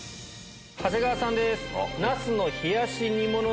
長谷川さんです。